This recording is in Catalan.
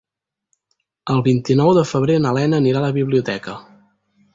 El vint-i-nou de febrer na Lena anirà a la biblioteca.